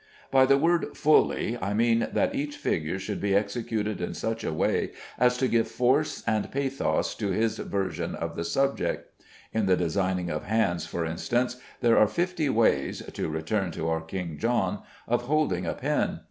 By the word "fully" I mean that each figure should be executed in such a way as to give force and pathos to his version of the subject. In the designing of hands, for instance, there are fifty ways (to return to our King John) of holding a pen.